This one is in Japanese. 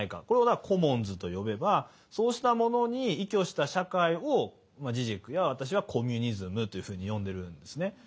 これをだからコモンズと呼べばそうしたものに依拠した社会をジジェクや私はコミュニズムというふうに呼んでるんですね。